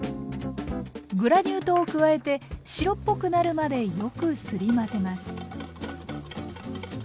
グラニュー糖を加えて白っぽくなるまでよくすり混ぜます。